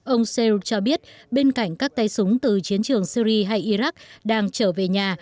ông sen cho biết bên cạnh các tay súng từ chiến trường syria hay iraq đang trở về nhà